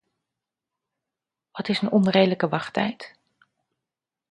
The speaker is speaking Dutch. Wat is een onredelijke wachttijd?